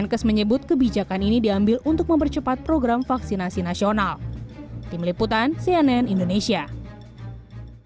kemenkes menyebut kebijakan ini diambil untuk mempercepat program vaksinasi nasional